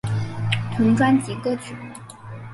同专辑歌曲。